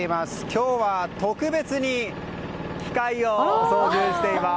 今日は特別に機械を操縦しています。